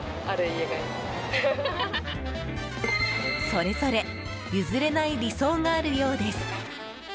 それぞれ譲れない理想があるようです。